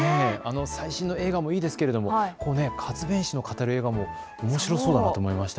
最新の映画もいいですけれども活弁士の語り、おもしろそうだなと思いました。